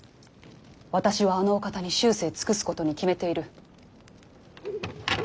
私はあのお方に終生尽くすことに決めている。